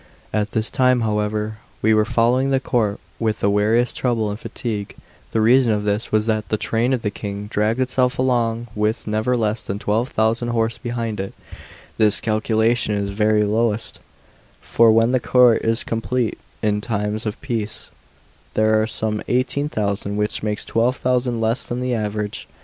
At this time, however, we were following the court with the weariest trouble and fatigue; the reason of this was that the train of the King drags itself along with never less than 12,000 horse behind it; this calculation is the very lowest; for when the court is complete in times of peace, there are some 18,000, which makes 12,000 less than the average.